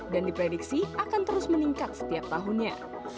dan diprediksi akan terus meningkat setiap tahunnya